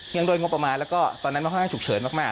ยังด้วยงบประมาณแล้วก็ตอนนั้นค่อนข้างฉุกเฉินมาก